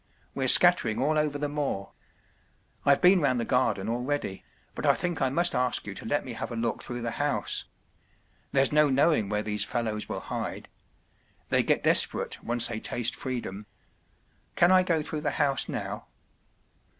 We’re scattering all over the moor. I’ve been round the garden already, but I think I must ask you to let me have a look through the house. There’s no knowing where these fellows will hide. They get desperate once they taste freedom. Can I go through the house now